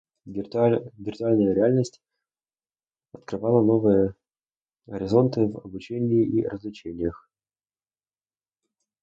Виртуальная реальность открывала новые горизонты в обучении и развлечениях.